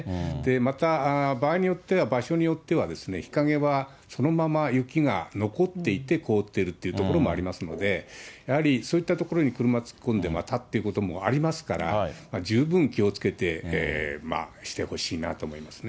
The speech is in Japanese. また、場合によっては、場所によっては、日陰はそのまま雪が残っていて凍っているという所もありますので、やはりそういった所に車突っ込んで、またっていうこともありますから、十分気をつけてしてほしいなと思いますね。